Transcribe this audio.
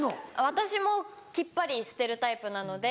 私もきっぱり捨てるタイプなので。